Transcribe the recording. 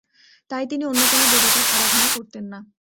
তাই তিনি অন্য কোন দেবতার আরাধনা করতেন না।